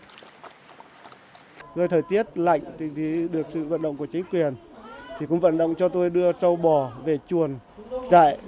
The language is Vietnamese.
người thời tiết lạnh thì được sự vận động của chính quyền thì cũng vận động cho tôi đưa trâu bò về chuồng chạy